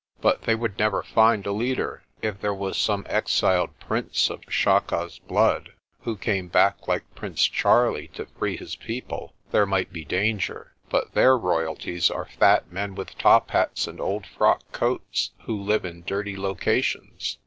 "But they would never find a leader. If there was some exiled prince of Chaka's blood, who came back like Prince Charlie to free his people, there might be danger j but their royalties are fat men with top hats and old frock coats, who live in dirty locations."